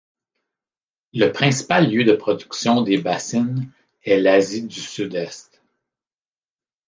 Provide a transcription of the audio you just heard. Le principal lieu de production des bassines est l'Asie du sud-est.